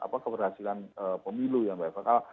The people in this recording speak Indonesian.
apa keberhasilan pemilu ya mbak eva